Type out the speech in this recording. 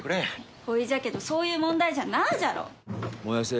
それじゃけど、そういう問題じゃなあじゃろ。